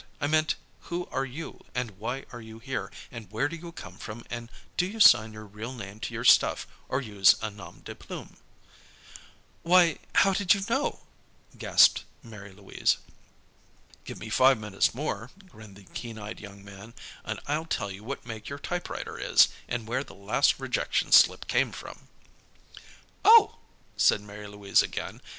I meant who are you, and why are you here, and where do you come from, and do you sign your real name to your stuff, or use a nom de plume?" "Why how did you know?" gasped Mary Louise. "Give me five minutes more," grinned the keen eyed young man, "and I'll tell you what make your typewriter is, and where the last rejection slip came from." "Oh!" said Mary Louise again.